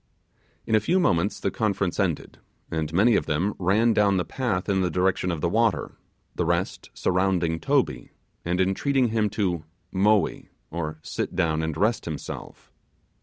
In a few moments the conference ended, and many of them ran down the path in the direction of the water, the rest surrounding Toby, and entreating him to 'Moee', or sit down and rest himself.